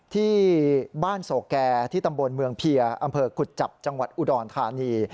ที่บ้านโศกแก่ที่ตำบลเมืองเพียร์อำเภอกุจจับจังหวัดอุดรธานี